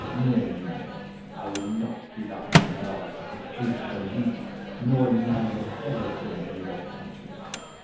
No, no, I will not give up my knowledge of the Greek for you, nor none that ever came from your country."